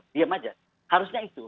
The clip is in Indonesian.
diam aja harusnya itu